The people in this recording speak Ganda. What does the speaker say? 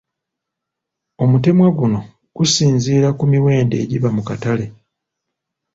Omutemwa guno gusinziira ku miwendo egiba mu katale.